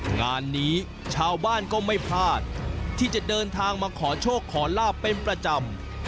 งานนี้ชาวบ้านก็ไม่พลาดที่จะเดินทางมาขอโชคขอลาบเป็นประจำ